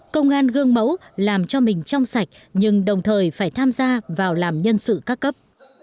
công an gương mẫu làm cho mình trong sạch nhưng đồng thời phải tham gia vào làm nhân sự ca cấp